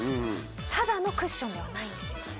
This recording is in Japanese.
ただのクッションではないんですよ。